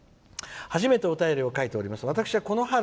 初めてお便りを書いております。